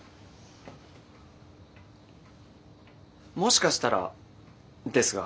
もしかしたらですが。